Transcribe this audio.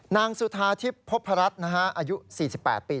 นางสุธาทิพย์พบพรัชอายุ๔๘ปี